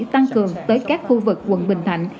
tăng cường tới các khu vực quận bình thạnh